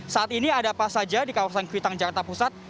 saat ini ada apa saja di kawasan kuitang jakarta pusat